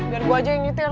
biar gua aja yang nyetir